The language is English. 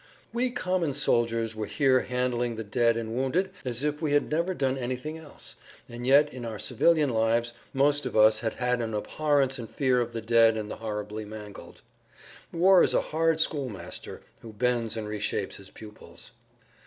We common soldiers were here handling the dead and wounded as if we had never done anything else, and yet in our civilian lives most of us had an abhorrence and fear of the dead and the horribly mangled. War is a hard school master who bends and reshapes his pupils.